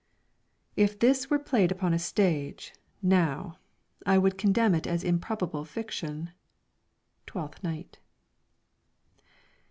"If this were played upon a stage, now, I would condemn it as an improbable fiction." TWELFTH NIGHT.